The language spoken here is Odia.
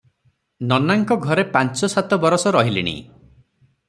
ନନାଙ୍କ ଘରେ ପାଞ୍ଚ ସାତ ବରଷ ରହିଲିଣି ।